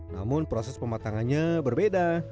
namun proses pematangannya berbeda